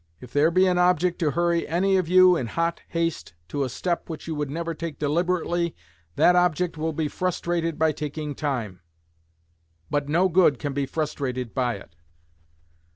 If there be an object to hurry any of you in hot haste to a step which you would never take deliberately, that object will be frustrated by taking time; but no good can be frustrated by it.